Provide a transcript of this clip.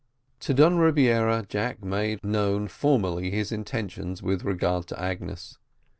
To Don Rebiera Jack made known formally his intentions with regard to Agnes.